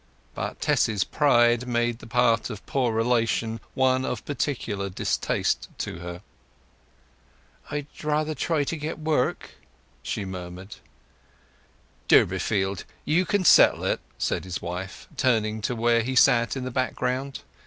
But Tess's pride made the part of poor relation one of particular distaste to her. "I'd rather try to get work," she murmured. "Durbeyfield, you can settle it," said his wife, turning to where he sat in the background.